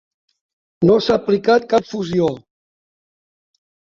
No s'ha aplicat cap fusió.